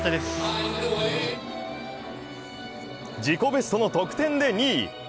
自己ベストの得点で２位。